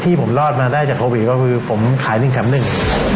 ผมรอดมาได้จากโควิดก็คือผมขายหนึ่งแถมหนึ่ง